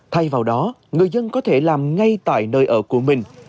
thay vào đó người dân có thể làm ngay tại nơi ở của mình